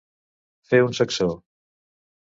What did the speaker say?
Fer un sacsó.